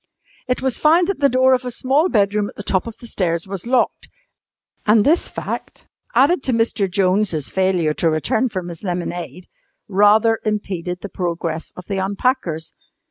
It was found that the door of a small bedroom at the top of the stairs was locked, and this fact (added to Mr. Jones' failure to return from his lemonade) rather impeded the progress of the unpackers.